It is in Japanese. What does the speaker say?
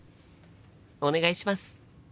お願いします！